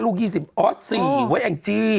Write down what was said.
๕ลูก๒๐อ๋อ๔ไว้แอ่งจี้